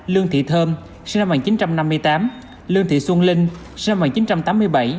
lương thị thơm sinh năm một nghìn chín trăm năm mươi tám lương thị xuân linh sinh năm một nghìn chín trăm tám mươi bảy